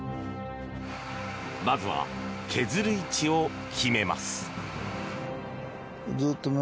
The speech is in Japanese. まずは削る位置を決めます。